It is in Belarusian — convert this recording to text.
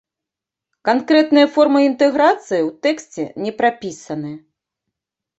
Канкрэтныя формы інтэграцыі ў тэксце не прапісаны.